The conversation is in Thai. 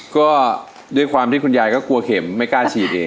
ก็ด้วยความที่คุณยายก็กลัวเข็มไม่กล้าฉีดเอง